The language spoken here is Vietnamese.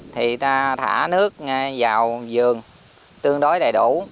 thì ta thả nước vào giường tương đối đầy đủ